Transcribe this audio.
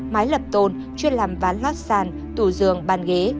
mái lập tôn chuyên làm ván lót sàn tủ giường bàn ghế